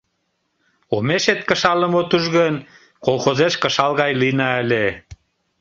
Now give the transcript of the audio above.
Омешет кышалым от уж гын, колхозеш кышал гай лийына ыле...